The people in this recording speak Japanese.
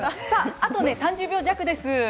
あと３０秒弱です。